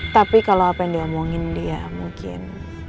tapi kalau apa yang diomongin dia mungkin